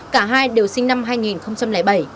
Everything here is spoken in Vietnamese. cả hai đều sinh năm hai nghìn bảy